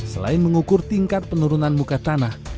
selain mengukur tingkat penurunan muka tanah